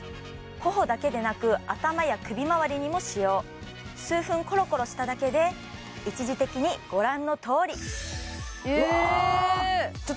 頬だけでなく頭や首まわりにも使用数分コロコロしただけで一時的にご覧のとおりえーっ！